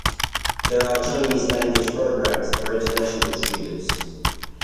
There are Chinese language programs for international students.